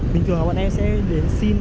bình thường là bọn em sẽ đến xin